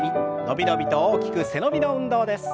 伸び伸びと大きく背伸びの運動です。